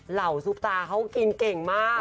เหล่าซุปตาเขากินเก่งมาก